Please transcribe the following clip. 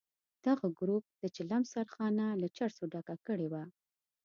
دغه ګروپ د چلم سرخانه له چرسو ډکه کړې وه.